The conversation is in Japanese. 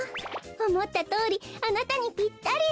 おもったとおりあなたにピッタリ。